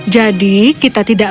jadi kita tidak